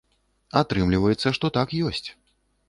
Атрымліваецца, што так, ёсць.